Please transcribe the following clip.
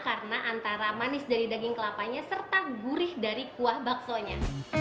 karena antara manis dari daging kelapanya serta gurih dari kuah baksonya